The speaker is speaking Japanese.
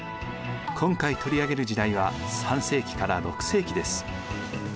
今回取り上げる時代は３世紀から６世紀です。